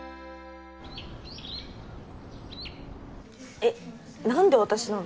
えなんで私なの？